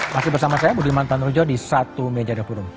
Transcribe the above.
masih bersama saya budi mantanrujo di satu meja dekorum